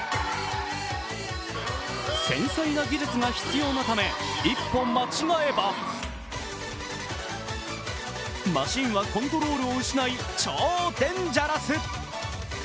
繊細な技術が必要なため一歩間違えばマシンはコントロールを失い、超デンジャラス。